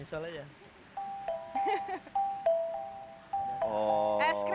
ini yang namanya keromong